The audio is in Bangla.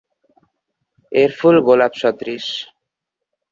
এর ফুল গোলাপ সদৃশ।